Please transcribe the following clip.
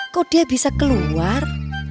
kok dia bisa keluar